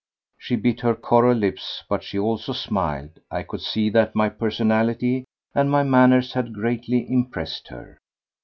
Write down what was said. She bit her coral lips ... but she also smiled. I could see that my personality and my manners had greatly impressed her.